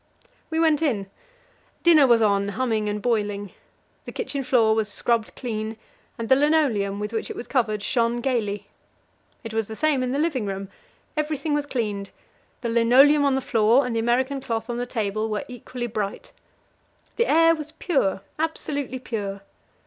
We went in. Dinner was on, humming and boiling. The kitchen floor was scrubbed clean, and the linoleum with which it was covered shone gaily. It was the same in the living room; everything was cleaned. The linoleum on the floor and the American cloth on the table were equally bright. The air was pure absolutely pure.